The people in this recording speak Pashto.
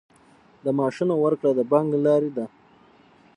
د معاشونو ورکړه د بانک له لارې ده